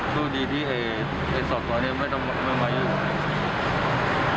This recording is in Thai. สู้ดีที่ไอ้ส่วนตัวนี้ไม่ต้องมายืด